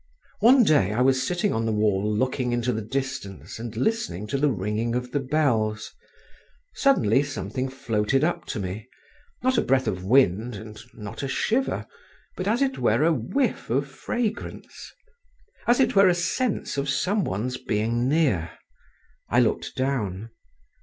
… One day I was sitting on the wall looking into the distance and listening to the ringing of the bells…. Suddenly something floated up to me—not a breath of wind and not a shiver, but as it were a whiff of fragrance—as it were, a sense of some one's being near…. I looked down.